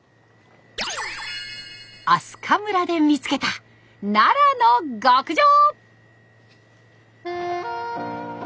明日香村で見つけた奈良の極上！